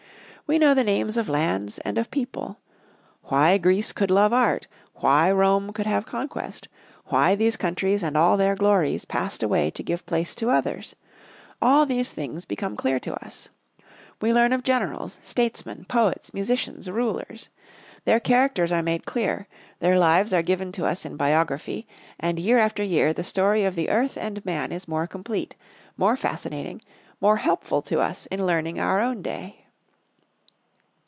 We know the names of lands and of people. Why Greece could love art, why Rome could have conquest; why these countries and all their glories passed away to give place to others; all these things become clear to us. We learn of generals, statesmen, poets, musicians, rulers. Their characters are made clear; their lives are given to us in biography, and year after year the story of the earth and man is more complete, more fascinating, more helpful to us in learning our own day.